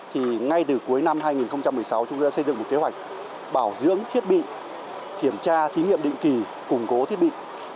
thì ngay từ cuối năm hai nghìn một mươi sáu chúng tôi đã xây dựng một kế hoạch bảo dưỡng thiết bị kiểm tra thí nghiệm định kỳ củng cố thiết bị